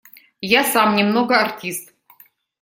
Я сам немного артист.